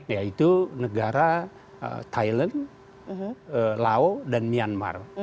yaitu negara thailand lao dan myanmar